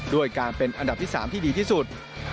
ด้วยการเป็นอันดับที่๓ที่ดีที่สุด